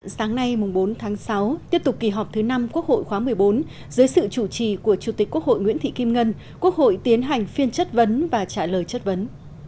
sáng nay bốn tháng sáu tiếp tục kỳ họp thứ năm quốc hội khóa một mươi bốn dưới sự chủ trì của chủ tịch quốc hội nguyễn thị kim ngân quốc hội tiến hành phiên chất vấn và trả lời chất vấn